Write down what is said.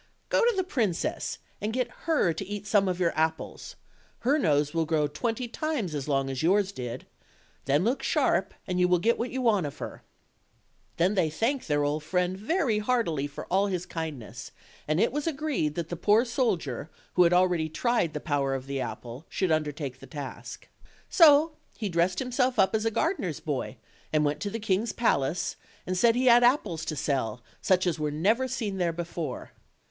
Go to the princess and get her to eat some of your apples; her nose will grow twenty times as long as yours did; then look sharp, and you will get what you want of her." Then they thanked their old friend very heartily for all his kindness, and it was agreed that the poor soldier who had already tried the power of the apple should OLD, OLD &AIHY TALE8. 3 Undertake the task. So he dressed himself up as a gar dener's boy, and went to the king's palace, and said he had apples to sell, such as were never seen there before.